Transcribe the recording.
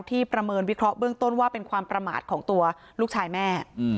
ประเมินวิเคราะห์เบื้องต้นว่าเป็นความประมาทของตัวลูกชายแม่